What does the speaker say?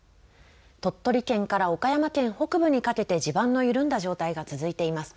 鳥取県から岡山県北部にかけて、地盤の緩んだ状態が続いています。